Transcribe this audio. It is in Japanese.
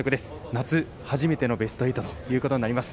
夏初めてのベスト８ということになります。